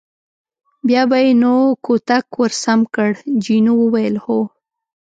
بیا به یې نو کوتک ور سم کړ، جینو وویل: هو.